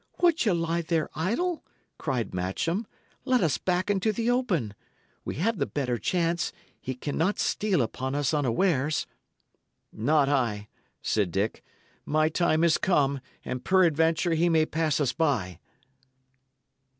"Would ye lie there idle?" cried Matcham. "Let us back into the open. We have the better chance; he cannot steal upon us unawares." "Not I," said Dick. "My time is come, and peradventure he may pass us by."